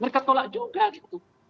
mereka tolak juga gitu